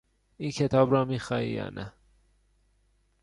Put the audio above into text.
این کتاب را می خواهی یا نه؟